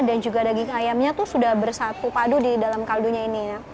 dan juga daging ayamnya tuh sudah bersatu padu di dalam kaldunya ini ya